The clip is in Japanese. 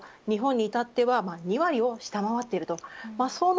日本に至っては２割を下回っています。